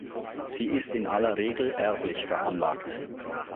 Sie ist in aller Regel erblich veranlagt.